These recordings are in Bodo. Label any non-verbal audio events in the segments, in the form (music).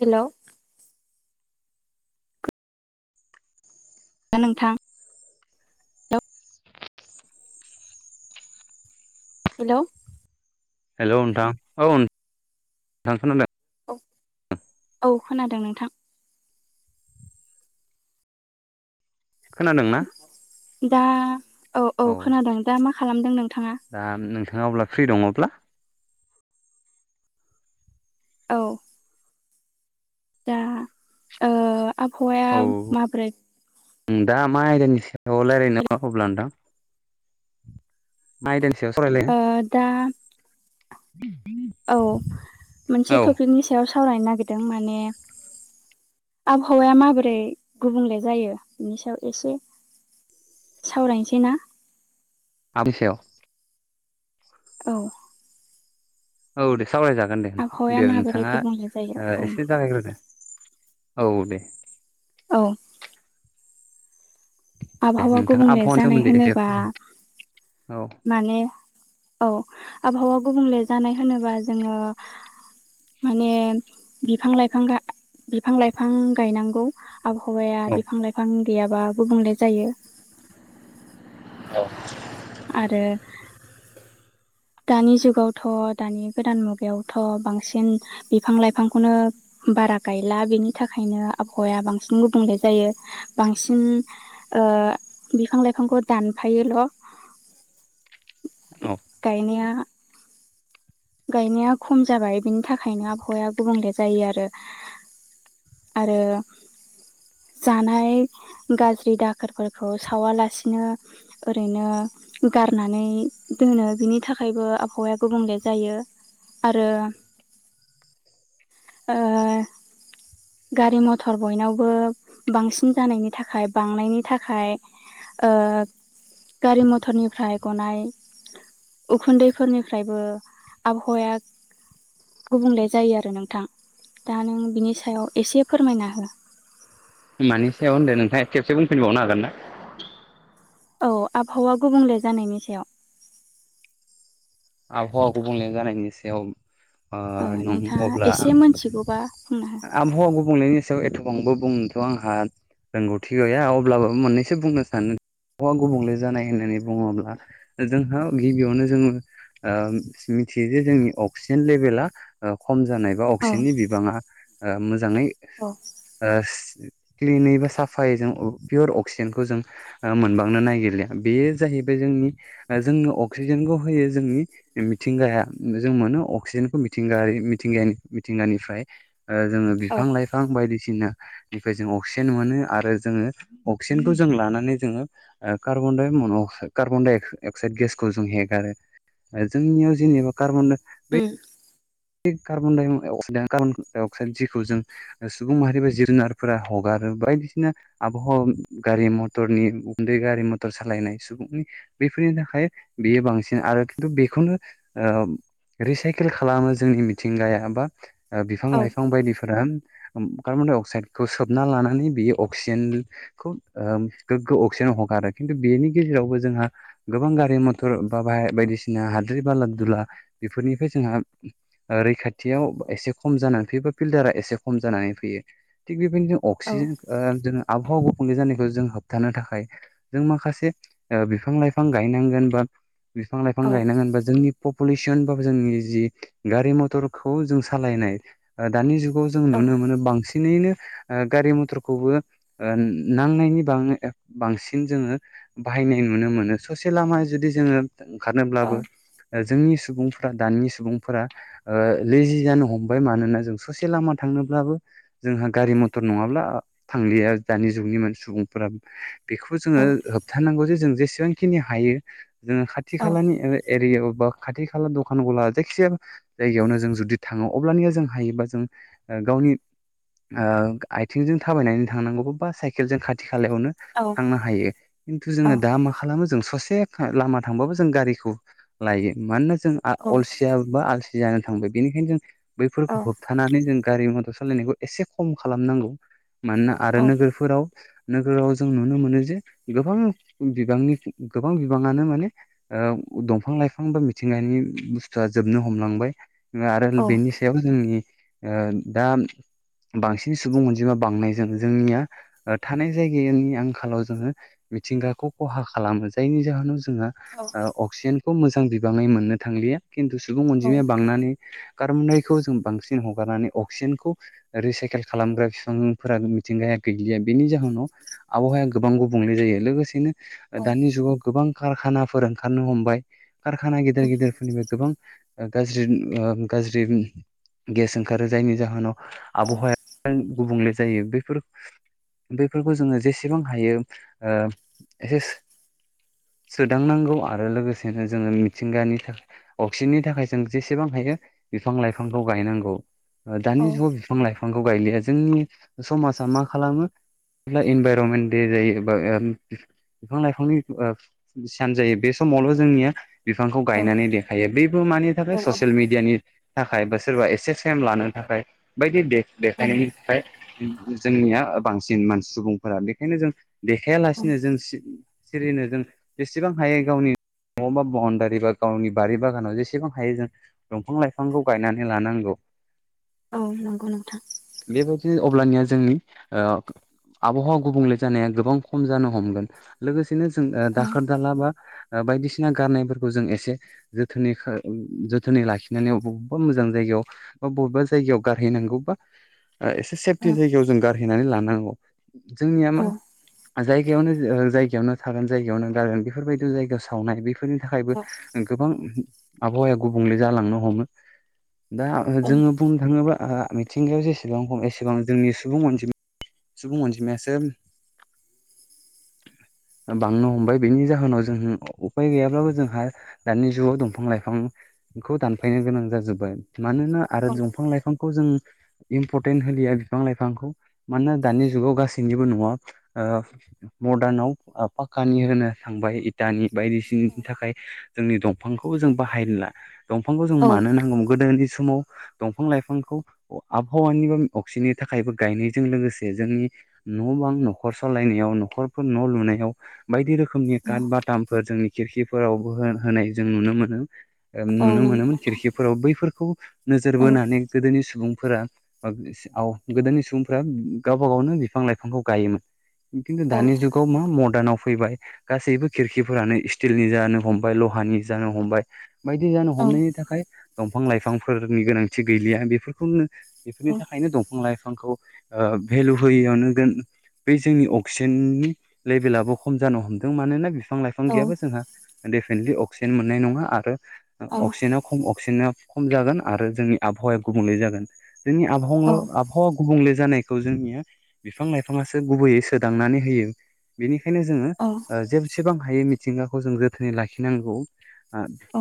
हेलौ दा नोंथां। हेलौ हेलौ नोंथां औ थां खोनादों औ औ खोनादों नोंथां खोनादोंना दा औ औ खोनादों दा मा खालामदों नोंथाङा? नों अब्ला फ्रि दङब्ला औ दा ओ आबहावाया माबोरै उम दा मा आयदानि सायाव लायरायनो अब्ला नोंथां मा आयदानि ओ दा (unintelligible) औ मोनसे औ टपिकनि सायाव सावरायनो नागिरदों माने आबहावाया माबोरै गुबुंले जायो बिनि सायाव एसे सावरायनोसै ना (unintelligible) औ औ दे सावरायजागोन दे आबहावाया दे माबोरै नोंथाङा गुबुंले जायो औ एसे जागायग्रोदो औ दे औ दे आबहावा नोंथाङा गुबुंले आबहावानि जानाय सोमोन्दै एसे औ होनोब्ला माने औ आबहावा गुबुंले जानाय होनोबा जोङो माने बिफां लाइफां गाय- बिफां लाइफां गायनांगौ आबहावाया औ बिफां लाइफां गैयाबा गुबुंले जायो। औ आरो दानि जुगावथ' दानि गोदान मुगायावथ' बांसिन बिफां लाइफांखौनो बारा गायला बेनि थाखायनो आबहावाया बांसिन गुबुंले जायो बांसिन ओ बिफां लाइफांखौ दानफायोल'। गायनाया गायनाया खम जाबाय बिनि थाखायनो आबहावाया गुबुंले जायो आरो। आरो जानाय गाज्रि दाखोरफोरखौ सावालासिनो ओरैनो गारनानै दोनो बिनि थाखायबो आबहावाया गुबुंले जायो आरो गारि मथर बयनावबो बांसिन जानायनि थाखाय बांनायनि थाखाय ओ गारि मथरनिफ्राय गनाय उखुन्दैफोरनिफ्रायबो आबहावाया गुबुंले जायो आरो नोंथां। दा नों बिनि सायाव एसे फोरमायना हो। मानि सायाव होनदों नोंथाङा खेबसे बुंफिनबावनो हागोन ना? औ आबहावा गुबुंले जानायनि सायाव। आबहावाखौ गुबुंले जानायनि सायाव ओ ओ नोंथाङा नं-अब्ला आं एसे मोनथिगौबा बुंना आबहावा गुबुंलेनि सायाव एथ' बांबो बुंनोथ' आंहा रोंगौथि गैया अब्लाबो मोननैसो बुंनो सानो आबहावा गुबुंले जानाय होननानै बुङोब्ला जोंहा गिबियावनो जोङो ओ मिथियो जे जोंनि अक्सिजेन लेभेला खम जानाय बा हो अक्सिजेननि औ बिबाङा ओ मोजाङै औ ओ क्लिन बा साफायै जों पियर अक्सिजेनखौ जों मोनबांनो नागिरलिया बेयो जाहैबाय जोंनि ओ जोंनो अक्सिजेनखौ होयो जोंनि मिथिंगाया जों मोनो अक्सिजेनखौ मिथिंगाय मिथिंगानि मिथिंगानिफ्राय ओ जोङो औ बिफां लाइफां बायदिसि नानिफाय अक्सिजेन मोनो आरो जोङो अक्सिजेनखौ जों लानानै जोङो ओ कारबन कार्बन कार्बनाइ अक्साइड गेसखौ जों हेगारो। आरो जोंनियाव जेनेबा कारबन उम बे कार्बन कार्बन डाइ अक्साइड जिखौ जों सुबुं माहारि बा जुनारफोरा हगा रो बायदिसिना आबहावा गारि मथरनि गन्दै गारि मथर सालायनाय सुबुंनि बेफोरनि थाखाय बेयो बांसिन आरो खिन्थु बेखौनो ओ रिसाइकेल खालामो जोंनि मिथिंगाया बा ओ औ बिफां लाइफां बायदिफोरा कार्बन डाइ अक्साइदखौ सोबना लानानै बियो अक्सिजेनखौ ओ गोग्गो अक्सिजेन हगारो खिन्थु बेनि गेजेरावबो जोंहा गोबां गारि मथर बा बायदिसिना हाद्रि बाला अब्ला बेफोरनिफ्राय जोंहा ओ रैखाथियाव एसे खम जानानै फैयो बा फिलथारा एसे खम जानानै फैयो थिग बे अक्सिजेन ओ जोङो आबहावा गुबुंले जानायखौ जों होबथानो थाखाय जों माखासे ओ बिफां लाइफां गायनांगोन बा बिफां लाइफां गायनांगोन बा जोंनि पपुलेसन बा जोंनि जि गारि मथरखौ जों सालायनाय ओ दानि जुगाव जों नुनो मोनो बांसिनैनो ओ गारि मथरखौबो ओन नांनायनि बांना बांसिन जोङो बाहाय बायनाय नुनो मोनो ससे लामाया जुदि जोङो ओंखारनोब्लाबो ओ जोंनि सुबुंफोरा दानि सुबुं फोरा ओ लेजि जानो हमबाय मानोना जों ससे लामा थांनोब्लाबो जोंहा गारि मथर नङाब्ला ओ थांलिया दानि जुगनि मान सुबुंफोरा बेखौ जोङो होबथानांगौ जे जों जेसेबांखिनि हायो जोङो खाथि खालानि ओ एरियायाव ब खाथि खाला दखान गला जायखि जाया जायगायावनो जों जुदि थाङो अब्लानिया जों हायोबा जों ओ गावनि ओ आथिंजों थाबायनानै थांनांगौ बा साइकेलजों खाथि सालायावनो थांनो हायो खिन्थु जोङो दा मा खालामो जों ससे लामा थांबाबो जों गारिखौ लायो मानोना जों आ अलसिया आसि जानो थांबाय बेनिखायनो जों बैफोरखौ होबथानानै जों गारि म सालायनायखौ एसे खम खालामनांगौ मानोना आरो नोगोरफोराव नोगोराव जों नुनो मोनो जे गोबां बिबांनि गोबां बिबाङानो माने ओब दंफां लाइफां बा मिथिंगानि बुस्थुआ जोबनो हमलांबाय आरो बेनि सायाव जोंनि ओ दा बांसिन सुबुं अनजिमा बांनायजों जोंनिया थानाय जायगायानि आंखालाव जोङो मिथिंगाखौ खहा खालामो जायनि जाहोनाव जो जोंओ ओ असिजेनखौ मोजां बिबाङै मोननो थांलिया खिन्थु सुबुं अनजिमाया बांनानै कारबनडाइखौ जों बांसिन हगारनानै अक्सिजेनखौ रिसाइकेल खालामग्रा बिफांफोरा मिथिंगाया गैलिया बेनि जाहोनाव आबहावाया गोबां गुबुंले जायो लोगोसेनो ओ दानि जुगाव गोबां कारखानाफोर ओंखारनो हमबाय कारखाना गेदेर गेदिर फोरनिफाय ओ गाज्रिम ओ गाज्रिम गेस ओंखारो जायनि जाहोनाव आबहावाया गुबुंले जायो बैफोर बेैफोरखौ जोङो जेसेबां हायो ओ एसेस सोदांनांगौ आरो लोगोसेनो जोङो मिथिंगानि थाख अक्सिजेननि थाखाय जों जेसेबां हायो बिफां लाइफांखौ गायनांगौ ओ दानि जुगाव बिफां लाइफां फांखौ गायलिया जोंनि समाजा मा खालामो ब्ला इनभाइरमेन्ट दे जायो एबा ओम बिफां लाइफांनि ओ सियान जायो बे समावल जोंनिया बिफांखौ औ गायनानै देखायो बेबो मानि थाखाय ससियेल मिडियानि थाखाय बा सोरबा एसे सेम लानो थाखाय बायदि दे औ देखायनायनि थाखाय जोंनिया ओ बांसिन मानसि सुबुंफोरा बेखायनो जों देखायालासिनो जों सि सिरिनो जों जेसेबां हायो गावनि नआव बा बाउण्डारि बा गावनि बारि बागानाव जेसेबां हायो जों दंफां लाइफांखौ गायनानै लानांगौ औ नंगौ नोंथां दि अब्लानिया जोंनि ओ आबहावा गुबुंले जानाया गोबां खम जानो हमगोन लोगोसे बिनो जों औ दाखोर दाला बा बायदिसिना गारनायफोरखौ जों एसे जोथोनैखो जोथोनै लाखिनानै ओबावबा मोजां जायगायाव बा बबेबा जायगायाव गारहैनांगौ बा बा ओ एसे औ सेपटि जायगायाव जों गारनानै लानांगौ जोंनिया औ मा-' जायगायावनो ओ जायगायावनो थागोन जायगायावनो गारोन बेफोरबायदि जायगायाव सावनाय बेफोरनि थाखायबो औ गोबां आबहावाया गुबुंले जालांनो हमो दा आंङो औ जोङो बुंनो थाङोबा आ मिथिंगायाव जेसेबां खम एसेबां जोंनि सुबुं अनजिमा सुबुं अनजिमायासो ओ बांनो हमबाय बेनि जाहोनाव जों उफाय गैयाब्लाबो जोंहा दानि जुगाव दंफां लाइफांखौ दानफायनो गोनां जाजोब्बाय मानोना आरो औ दंफां लाइफांखौ जों इम्परटेन्ट होलिया बिफां लाइफांखौ मानोना दानि जुगाव गासैनिबो नआव ओ मदार्नाव ओ पाककानि होनो थांबाय इटानि बायदिसिनानि थाखाय जोंनि दंफांखौ जों बाहायला दंफांखौ जों औ मानो नांगौमोन गोदोनि समाव दंफां लाइफांखौ आबहावानि बा अक्सिजेननि थाखायबो गायनायजों लोगोसे जोंनि न' बां न'खर सालायनायाव न'खरफोर न' लुनायाव बायदि रोखो खोमनि काट बटामफोर जोंनि खिरखिफोरावबो होनाय जों नुनो मोनो औ नुनो नंगौ मोनोमोन नोंथां खिरखिफोराव बैफोरखौ नोजोर औ बोनानै गोदोनि सुबुं फोरा गोदोनि सुबुंफोरा गावबा गावनो बिफां लाइफांखौ गायोमोन। खिन्थु औ दानि जुगाव मा मदार्नाव फैबाय गासैबो खिरखिफोरानो स्टिलनि जानो हम लहानि जानो हमबाय बायदि जानो हमनायनि थाखाय दं दंफां - लाइफांफोरनि गोनांथि गैलिया बेफोरखौनो बेफोरनि थाखायनो दंफां लाइफां खौ भेलु होयैयानो जों बे जोंनि अक्सिजेननि लेभेलाबो खम जानो हमदों मानोना बिफां - लाइफां गैयाबो जोंहा डेफिनेटलि अक्सिजेन मोननाय नङा आरो औ अक्सिजेना खम अक्सिजेना खम जागोन आरो जोंनि आबहावाया गुबुंले जागोन। जोंनि आबहावल आबहावा गुबुंले जानायखौ जोंनिया बिफां - लाइफांआसो गुबैयै सोदांनानै होयो बेनि खायनो जोङो औ जेसेबां हायो मिथिंगाखौ जों जोथोनै लाखिनांगौ। औ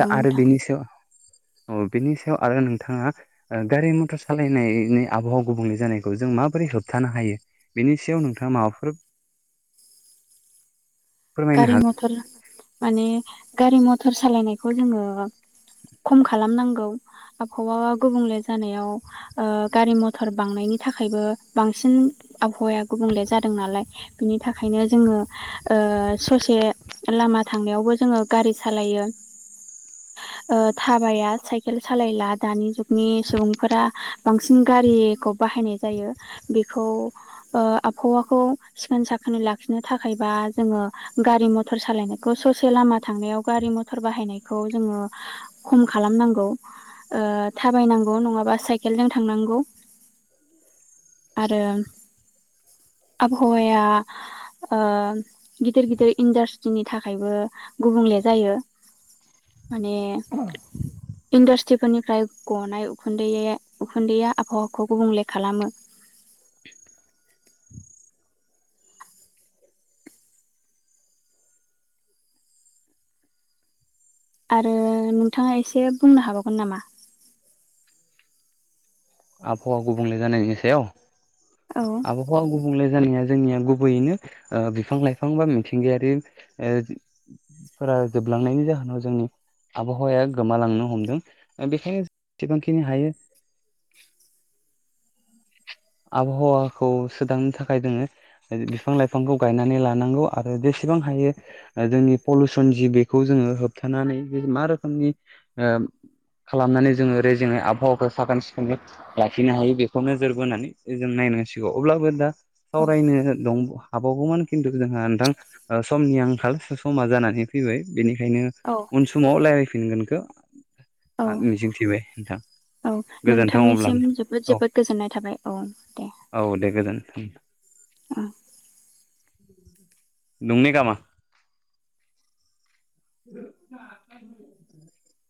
दा आरो नोंथां बनिसायाव (inaudible) बेनि सायाव आरो नोंथाङा गारि मथर सालायनायनि आबहावा गुबुंलै जानायखौ जों माबोरै होबथानो हायो बेनि सायाव नोंथाङा माबाफोर (inaudible) फोरमायनो गारि - हागोन मथर माने गारि - मथर सालायनायखौ जोङो खम खालामनांगौ आबहावा गुबुंले जानायाव ओ गारि - मथर बांनायनि थाखायबो बांसिन आबहावाया गुबुंले जादों नालाय बिनि थाखायनो जोङो ओ ससे लामा थांनायावबो जोङो गारि सालायो थाबाया साइकेल सालायला दानि जुगनि सुबुंफोरा बांसिन गारिखौ बाहायनाय जायो बेखौ आबहावाखौ सिखोन साखोनै लाखि नो थाखायबा जोङो गारि मथर सालायनायखौ ससे लामा थांनायाव गारि - मथर बाहायनायखौ जोङो खम खा लामनांगौ ओ थाबायनांगौ नङाबा साइकेलजों थांनांगौ आरो आबहावाया ओ गिदिर - गिदिर इन्डास्ट्रिनि थाखायबो गुबुंले जायो। माने इन्डासट्रिफोरनिफ्राय गनाय उखुन्दै - उखुन्दैया आबहावाखौ गुबुंले खालामो। (inaudible) आरो नोंथाङा एसे बुंनो हाबावगोन नामा? आबहावा गुबुंले जानायनि सायाव? औ आबहावा गुबुंले जानाया जोंनिया गुबैयैनो ओ बिफां - लाइफां बा मिथिंगायारि ओ फोरा जोबलांनायनि जाहोनाव जोंनि आबहावाया गोमालांनो हमदों बेखायनो जेसेबांखिनि हायो आबहावाखौ सोदांनो थाखाय जोङो बिफां - लाइफांखौ गायनानै लानांगौ आरो एसेबां हायो ओ जोंनि पलिुसन जिबिखौ जोङो होबथानानै मा रोखोमनि ओ (inaudible) खालामनानै जोङो रेजेङै आबहावाखौ साखोन-सिखोनै लाखिनो हायो बेखौ नोजोर बोनानै जों नायनांसिगौ अब्लाबो दा सावरायनो दं हाबावगौमोन खिन्थु जोंहा नोंथां समनि आंखाल समा जानानै फैबाय बेनि ओंखायनो औ उन समाव रायज्लायफिनगोनखौ औ मिजिं थिबाय नोंथां। औ गोजोनथों अब्ला नोंथांनिसिम नोंथां। जोबोद औ जोबोद गोजोननाय थाबाय औ। दे औ दे गोजोनथों। (inaudible) (unintelligible) (unintelligible)